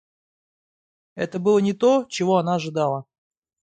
Это было не то, чего она ожидала.